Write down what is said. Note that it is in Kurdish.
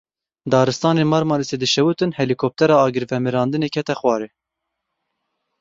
Daristanên Marmarîsê dişewitin, helîkoptera agirvemirandinê kete xwarê.